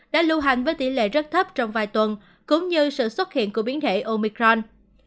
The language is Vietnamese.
đã lưu hành với tỷ lệ rất thấp trong vài tuần cũng như sự xuất hiện của biến thể omicron